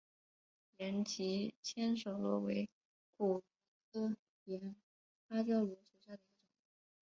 岩棘千手螺为骨螺科岩芭蕉螺属下的一个种。